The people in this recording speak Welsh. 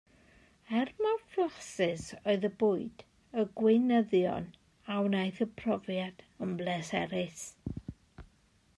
Er mor flasus oedd y bwyd, y gweinyddion a wnaeth y profiad yn bleserus.